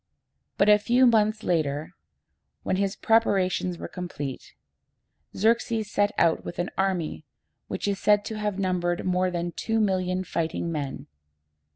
But a few months later, when his preparations were complete, Xerxes set out with an army which is said to have numbered more than two million fighting men.